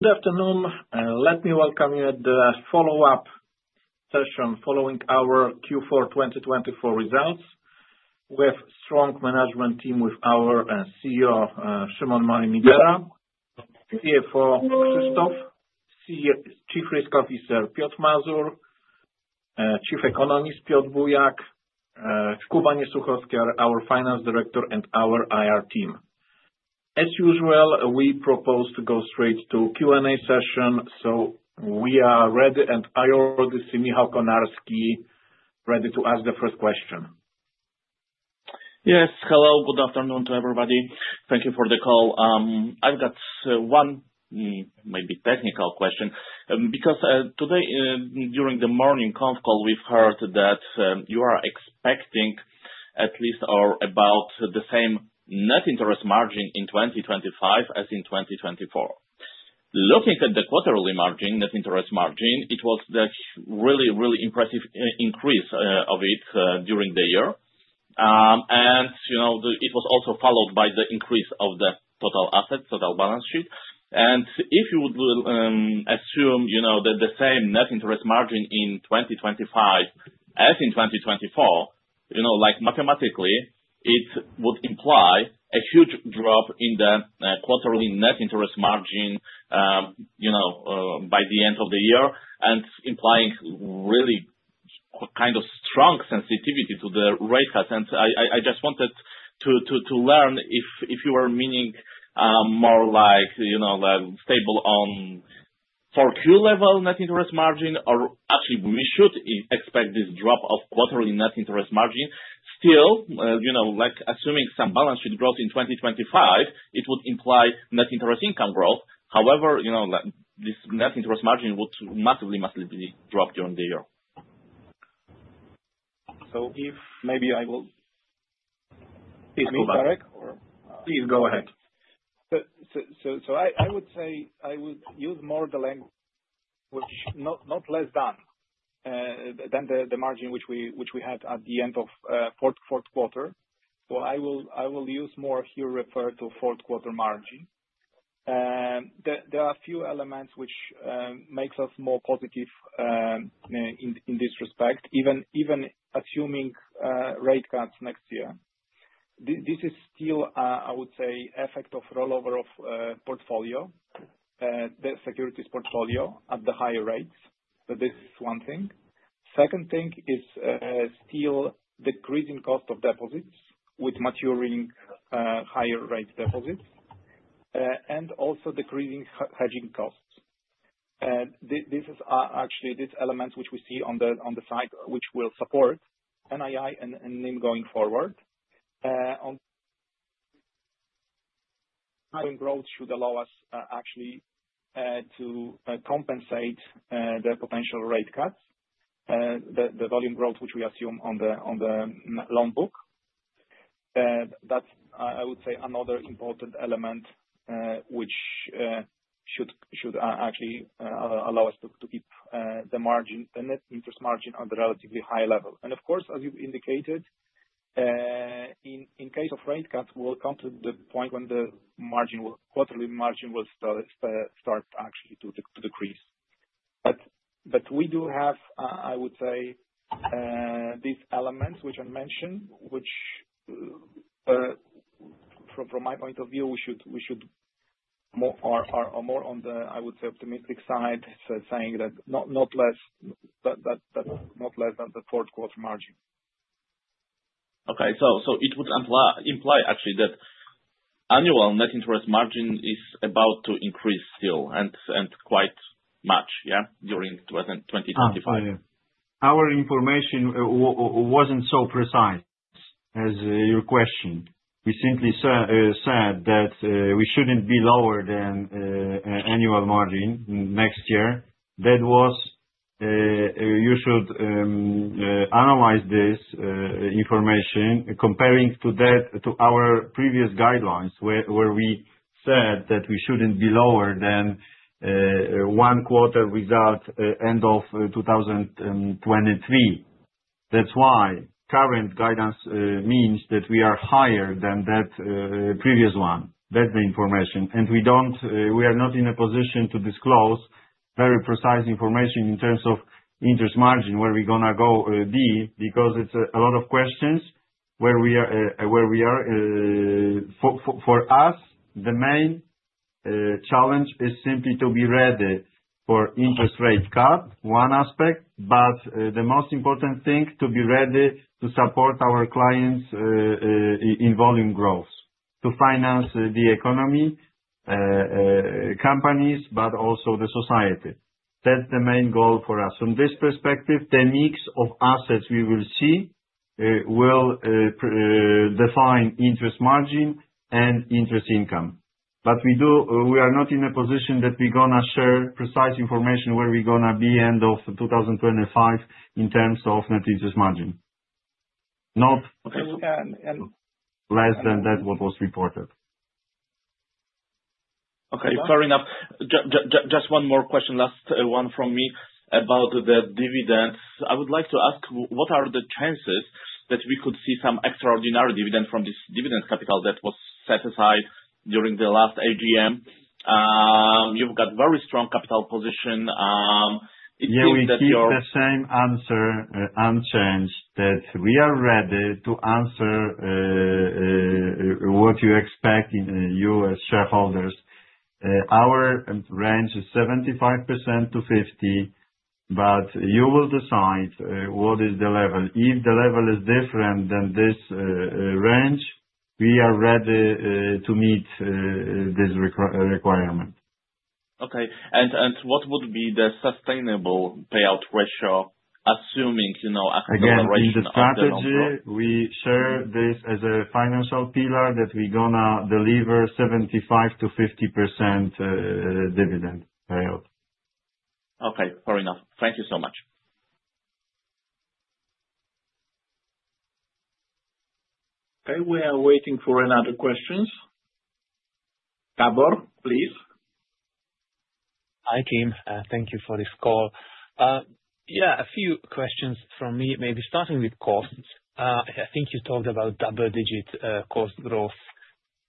Good afternoon. Let me welcome you at the follow-up session following our Q4 2024 results with a strong management team with our CEO, Szymon Midera, CFO, Krzysztof, Chief Risk Officer, Piotr Mazur, Chief Economist, Piotr Bujak, Jakub Niesłuchowski, our Finance Director, and our IR team. As usual, we propose to go straight to Q&A session. We are ready, and I already see Michał Konarski ready to ask the first question. Yes. Hello. Good afternoon to everybody. Thank you for the call. I've got one maybe technical question. Because today, during the morning conference call, we've heard that you are expecting at least or about the same net interest margin in 2025 as in 2024. Looking at the quarterly margin, net interest margin, it was the really, really impressive increase of it during the year. It was also followed by the increase of the total assets, total balance sheet. If you would assume that the same net interest margin in 2025 as in 2024, like mathematically, it would imply a huge drop in the quarterly net interest margin by the end of the year and implying really kind of strong sensitivity to the rate cuts. I just wanted to learn if you were meaning more like stable on 4Q level net interest margin or actually we should expect this drop of quarterly net interest margin. Still, assuming some balance sheet growth in 2025, it would imply net interest income growth. However, this net interest margin would massively, massively drop during the year. If maybe I will. Please go back. Be correct or. Please go ahead. I would say I would use more the language which not less than the margin which we had at the end of fourth quarter. I will use more here referred to fourth quarter margin. There are a few elements which make us more positive in this respect, even assuming rate cuts next year. This is still, I would say, effect of rollover of portfolio, the securities portfolio at the higher rates. This is one thing. Second thing is still decreasing cost of deposits with maturing higher rate deposits and also decreasing hedging costs. This is actually this element which we see on the side which will support NII and NIM going forward. Volume growth should allow us actually to compensate the potential rate cuts, the volume growth which we assume on the loan book. That's, I would say, another important element which should actually allow us to keep the net interest margin at a relatively high level. Of course, as you indicated, in case of rate cuts, we'll come to the point when the margin, quarterly margin will start actually to decrease. We do have, I would say, these elements which I mentioned, which from my point of view, we should are more on the, I would say, optimistic side saying that not less than the fourth quarter margin. Okay. It would imply actually that annual net interest margin is about to increase still and quite much, yeah, during 2025. Our information was not so precise as your question. We simply said that we should not be lower than annual margin next year. That was you should analyze this information comparing to our previous guidelines where we said that we should not be lower than one quarter result end of 2023. That is why current guidance means that we are higher than that previous one. That is the information. We are not in a position to disclose very precise information in terms of interest margin where we are going to be because it is a lot of questions where we are. For us, the main challenge is simply to be ready for interest rate cut, one aspect, but the most important thing to be ready to support our clients in volume growth to finance the economy, companies, but also the society. That is the main goal for us. From this perspective, the mix of assets we will see will define interest margin and interest income. We are not in a position that we're going to share precise information where we're going to be end of 2025 in terms of net interest margin. Not less than that what was reported. Okay. Fair enough. Just one more question, last one from me about the dividends. I would like to ask what are the chances that we could see some extraordinary dividend from this dividend capital that was set aside during the last AGM? You've got very strong capital position. It seems that your. Yeah, we see the same answer unchanged that we are ready to answer what you expect in you as shareholders. Our range is 75%-50%, but you will decide what is the level. If the level is different than this range, we are ready to meet this requirement. Okay. What would be the sustainable payout ratio assuming a consideration of. Again, in the strategy, we share this as a financial pillar that we're going to deliver 75-50% dividend payout. Okay. Fair enough. Thank you so much. Okay. We are waiting for another question. Gabor, please. Hi, team. Thank you for this call. Yeah, a few questions from me, maybe starting with costs. I think you talked about double-digit cost growth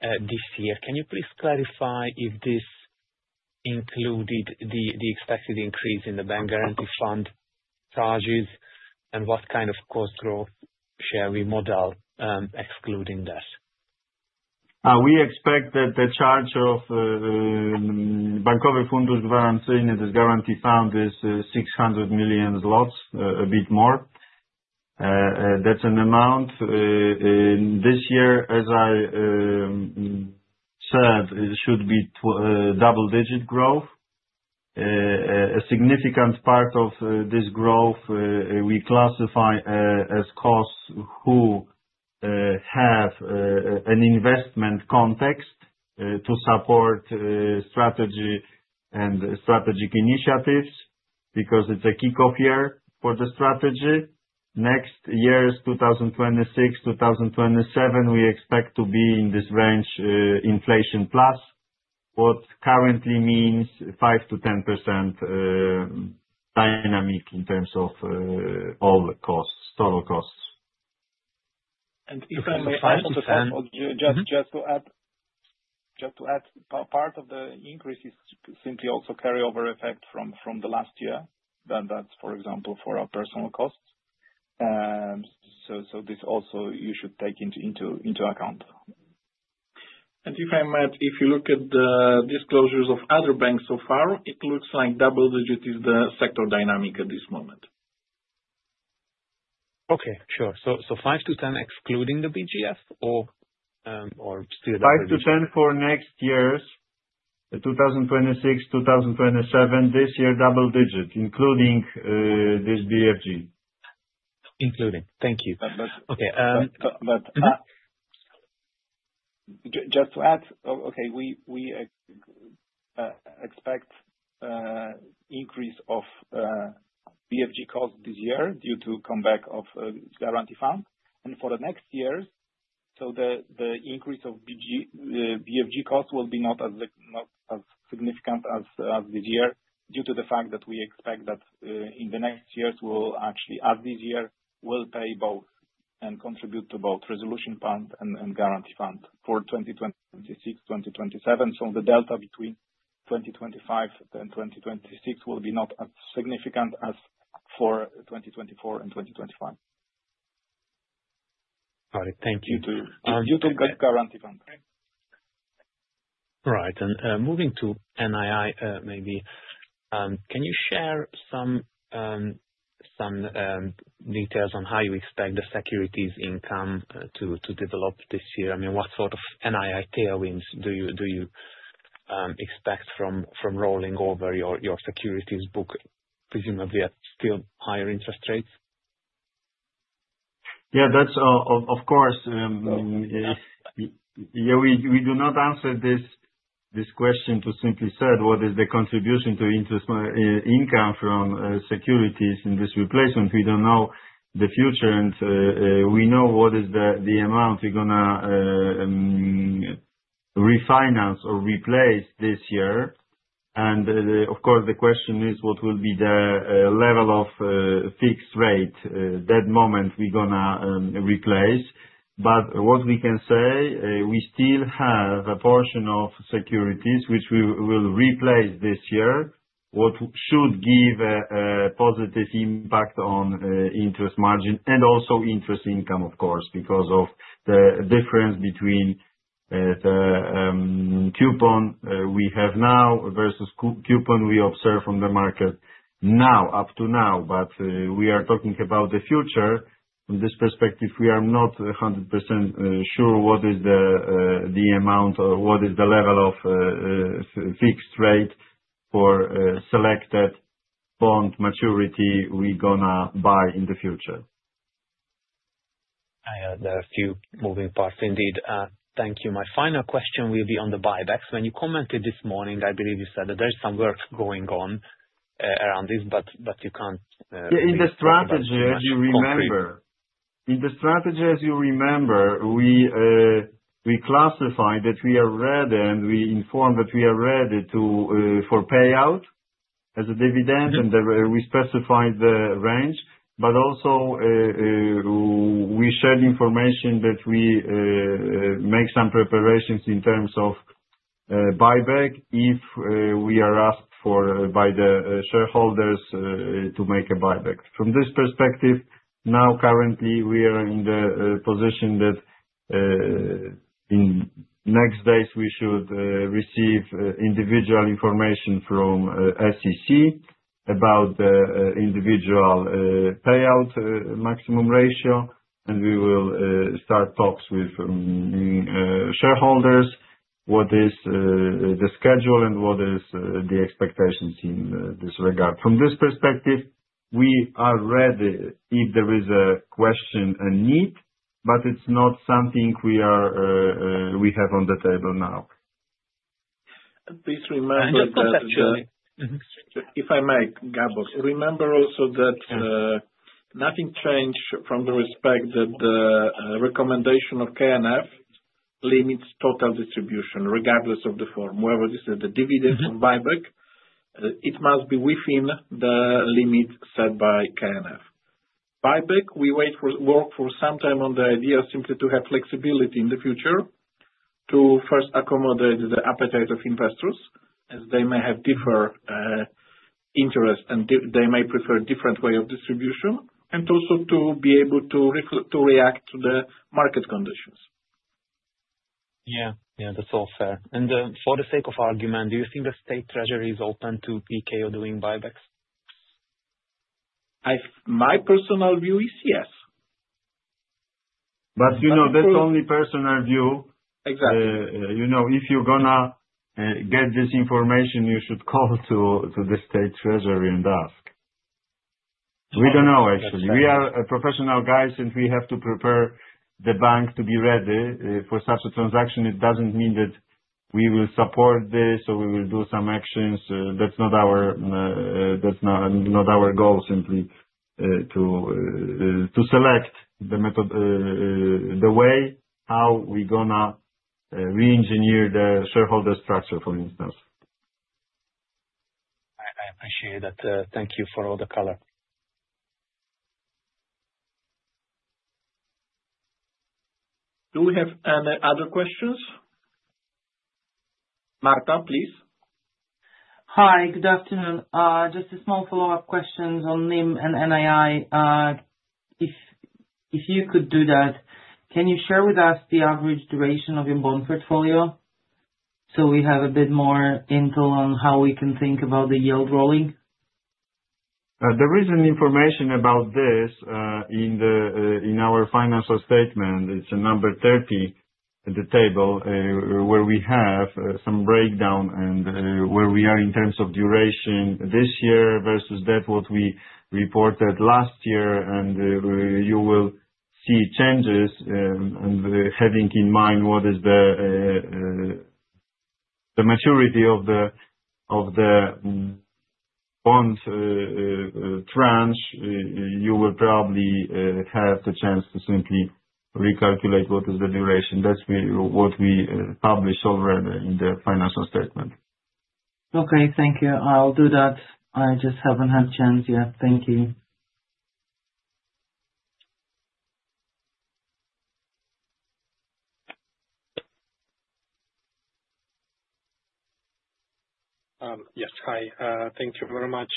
this year. Can you please clarify if this included the expected increase in the Bank Guarantee Fund charges and what kind of cost growth share we model excluding that? We expect that the charge of Bankowy Fundusz Gwarancyjny, this Guarantee Fund, is 600 million zlotys, a bit more. That's an amount. This year, as I said, it should be double-digit growth. A significant part of this growth we classify as costs who have an investment context to support strategy and strategic initiatives because it's a kickoff year for the strategy. Next year is 2026, 2027, we expect to be in this range, inflation plus, what currently means 5-10% dynamic in terms of all costs, total costs. If I may also say, just to add, part of the increase is simply also carryover effect from the last year. That is, for example, for our personal costs. This also you should take into account. If you look at the disclosures of other banks so far, it looks like double-digit is the sector dynamic at this moment. Okay. Sure. So 5-10 excluding the BFG or still double-digit? 5 to 10 for next years, 2026, 2027, this year double-digit, including this BFG. Including. Thank you. But. Okay. Just to add, okay, we expect increase of BFG costs this year due to comeback of Guarantee Fund. For the next years, the increase of BFG costs will be not as significant as this year due to the fact that we expect that in the next years we'll actually, as this year, we'll pay both and contribute to both Resolution Fund and Guarantee Fund for 2026, 2027. The delta between 2025 and 2026 will be not as significant as for 2024 and 2025. Got it. Thank you. You too. You too. Guarantee Fund. All right. Moving to NII maybe, can you share some details on how you expect the securities income to develop this year? I mean, what sort of NII tailwinds do you expect from rolling over your securities book, presumably at still higher interest rates? Yeah, that's of course. Yeah, we do not answer this question to simply said, what is the contribution to interest income from securities in this replacement? We don't know the future. We know what is the amount we're going to refinance or replace this year. The question is what will be the level of fixed rate that moment we're going to replace. What we can say, we still have a portion of securities which we will replace this year, which should give a positive impact on interest margin and also interest income, of course, because of the difference between the coupon we have now versus coupon we observe on the market now, up to now. We are talking about the future. From this perspective, we are not 100% sure what is the amount or what is the level of fixed rate for selected bond maturity we're going to buy in the future. There are a few moving parts indeed. Thank you. My final question will be on the buybacks. When you commented this morning, I believe you said that there's some work going on around this, but you can't. In the strategy, as you remember, we classify that we are ready and we inform that we are ready for payout as a dividend, and we specify the range. Also, we shared information that we make some preparations in terms of buyback if we are asked by the shareholders to make a buyback. From this perspective, now currently we are in the position that in next days we should receive individual information from SEC about the individual payout maximum ratio, and we will start talks with shareholders what is the schedule and what is the expectations in this regard. From this perspective, we are ready if there is a question and need, but it's not something we have on the table now. Please remember that actually. If I may, Gabor, remember also that nothing changed from the respect that the recommendation of KNF limits total distribution regardless of the form. Whether this is the dividend or buyback, it must be within the limit set by KNF. Buyback, we work for some time on the idea simply to have flexibility in the future to first accommodate the appetite of investors as they may have different interests and they may prefer different way of distribution and also to be able to react to the market conditions. Yeah. Yeah. That's all fair. For the sake of argument, do you think the State Treasury is open to PKO doing buybacks? My personal view is yes. That's only personal view. Exactly. If you're going to get this information, you should call to the State Treasury and ask. We don't know actually. We are professional guys and we have to prepare the bank to be ready for such a transaction. It doesn't mean that we will support this or we will do some actions. That's not our goal, simply to select the way how we're going to re-engineer the shareholder structure, for instance. I appreciate that. Thank you for all the color. Do we have any other questions? Marco, please. Hi. Good afternoon. Just a small follow-up question on NII. If you could do that, can you share with us the average duration of your bond portfolio so we have a bit more intel on how we can think about the yield rolling? There is an information about this in our financial statement. It's number 30 at the table where we have some breakdown and where we are in terms of duration this year versus that what we reported last year. You will see changes and having in mind what is the maturity of the bond tranche, you will probably have the chance to simply recalculate what is the duration. That's what we publish already in the financial statement. Okay. Thank you. I'll do that. I just haven't had a chance yet. Thank you. Yes. Hi. Thank you very much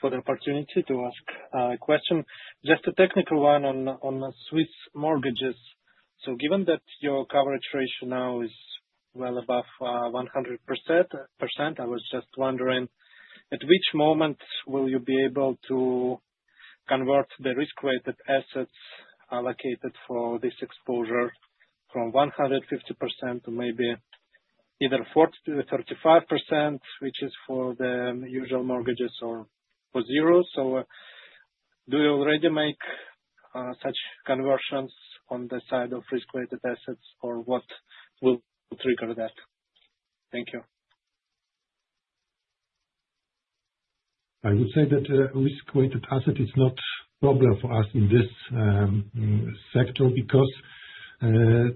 for the opportunity to ask a question. Just a technical one on Swiss mortgages. Given that your coverage ratio now is well above 100%, I was just wondering at which moment will you be able to convert the risk-weighted assets allocated for this exposure from 150% to maybe either 35%, which is for the usual mortgages, or for zero? Do you already make such conversions on the side of risk-weighted assets or what will trigger that? Thank you. I would say that risk-weighted asset is not a problem for us in this sector because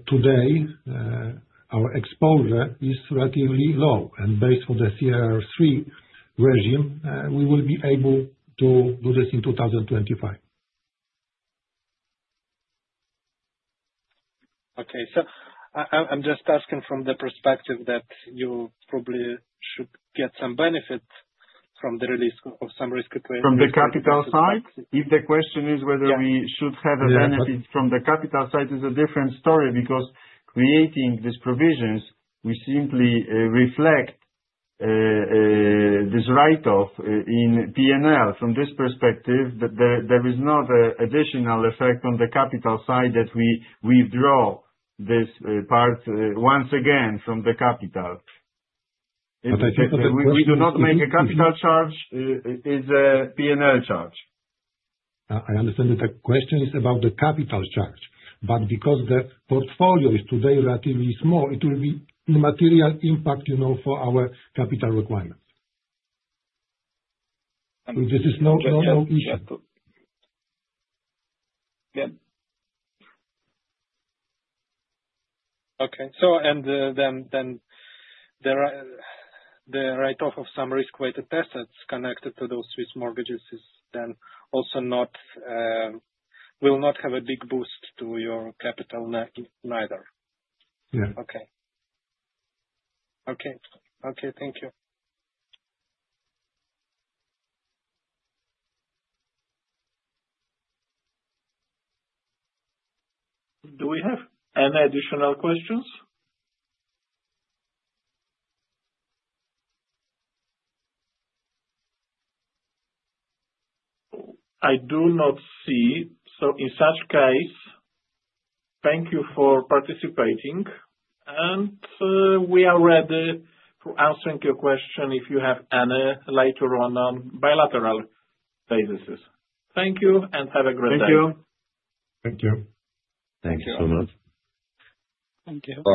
today our exposure is relatively low. Based on the CRR III regime, we will be able to do this in 2025. Okay. I'm just asking from the perspective that you probably should get some benefit from the release of some risk-weighted assets. From the capital side? If the question is whether we should have a benefit from the capital side, it's a different story because creating these provisions, we simply reflect this write-off in P&L. From this perspective, there is not an additional effect on the capital side that we withdraw this part once again from the capital. If we do not make a capital charge, it's a P&L charge. I understand that the question is about the capital charge, but because the portfolio is today relatively small, it will be a material impact for our capital requirements. This is not an issue. Yeah. Okay. The write-off of some risk-weighted assets connected to those Swiss mortgages is then also will not have a big boost to your capital neither. Yeah. Okay. Okay. Okay. Thank you. Do we have any additional questions? I do not see. In such case, thank you for participating. We are ready for answering your question if you have any later on on bilateral basis. Thank you and have a great day. Thank you. Thank you. Thank you so much. Thank you.